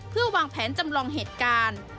เพื่อวางแผนจำลองเหตุการณ์